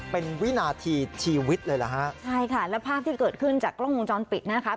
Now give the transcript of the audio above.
เป็นวินาทีชีวิตเลยเหรอฮะใช่ค่ะแล้วภาพที่เกิดขึ้นจากกล้องวงจรปิดนะคะ